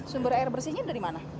sumber air bersihnya dari mana